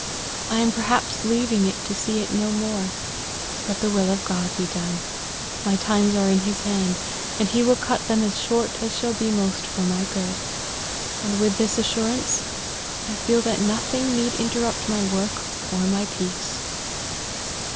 I am perhaps leaving it to see it no more ; but the will of God be done ; my times are in his hand, and he will cut them as short as shall be most for my good : and with this assuraiite, I feel that no thing need interrupt my work or my peace."